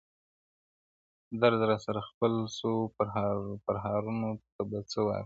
درد راسره خپل سو، پرهارونو ته به څه وایو!!